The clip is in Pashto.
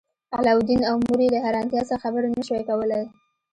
علاوالدین او مور یې له حیرانتیا څخه خبرې نشوای کولی.